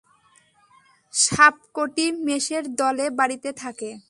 শাবকটি মেষের দলে বাড়িতে থাকে।